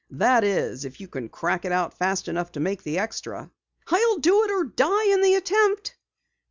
"That is, if you can crack it out fast enough to make the extra." "I'll do it or die in the attempt."